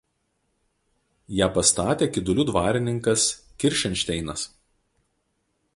Ją pastatė Kidulių dvarininkas Kiršenšteinas.